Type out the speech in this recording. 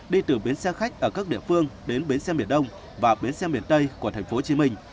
đi từ biến xe khách ở các địa phương đến biến xe miền đông và biến xe miền tây của tp hcm